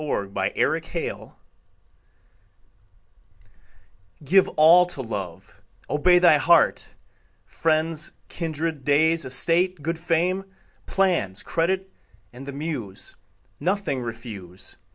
Y Z Give All to Love GIVE all to love; Obey thy heart; Friends, kindred, days, Estate, good fame, Plans, credit, and the Muse, Nothing refuse.